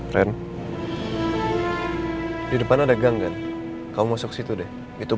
ren di depan ada gang kan kamu masuk situ deh itu